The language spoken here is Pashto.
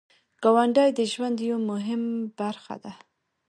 ګاونډی د ژوند یو مهم برخه ده